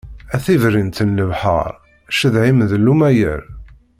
A tiberrint n lebḥer, cceḍḥ-im d llumayer.